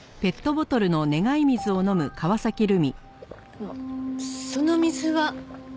あのその水は？